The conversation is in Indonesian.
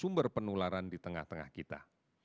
jadi sumber penularan di tengah tengah kita